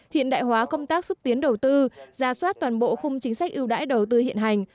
hiện đại hóa công tác xúc tiến đầu tư ra soát toàn bộ khung chính sách ưu đãi đầu tư hiện hành